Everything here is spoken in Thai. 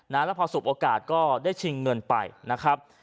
แล้วพอสูบโอกาสก็ได้ชิงเงินไปนะครับ